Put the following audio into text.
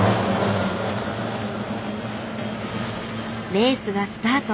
レースがスタート。